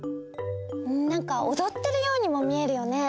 なんかおどってるようにも見えるよね。